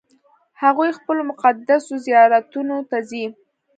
هغوی خپلو مقدسو زیارتونو ته ځي.